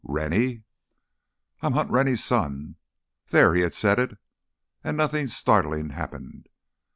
"Rennie?" "I'm Hunt Rennie's son." There, he had said it—and nothing startling happened.